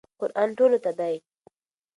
قرآن ټولو ته دی.